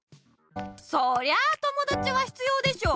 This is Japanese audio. そりゃあともだちは必要でしょ！